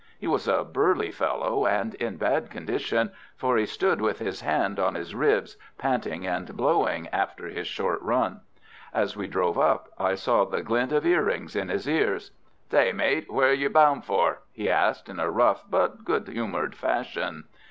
He was a burly fellow, and in bad condition, for he stood with his hand on his ribs, panting and blowing after his short run. As we drove up I saw the glint of earrings in his ears. "Say, mate, where are you bound for?" he asked, in a rough but good humoured fashion.